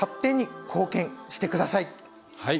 はい。